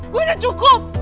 gue udah cukup